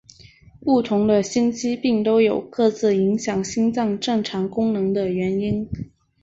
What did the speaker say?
不同的心肌病都有各自影响心脏正常功能的原因。